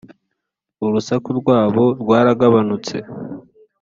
urusaku rwabo rwaragabanutse